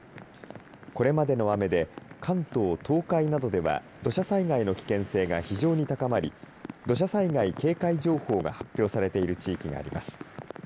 これまでの雨で関東、東海などでは土砂災害の危険性が非常に高まり土砂災害警戒情報が発表されている地域があります。